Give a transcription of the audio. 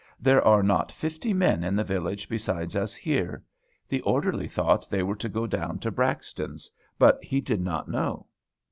There are not fifty men in the village besides us here. The orderly thought they were to go down to Braxton's; but he did not know."